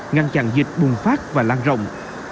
ngăn chặn dịch bùng phát và lan rộng